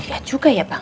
iya juga ya bang